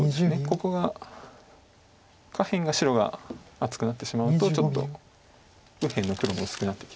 ここは下辺が白が厚くなってしまうとちょっと右辺の黒も薄くなってきますので。